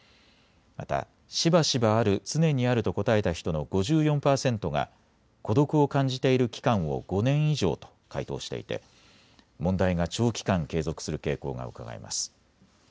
また、しばしばある・常にあると答えた人の５４％が孤独を感じている期間を５年以上と回答していて問題が長期間、継続する傾向がうかがえます。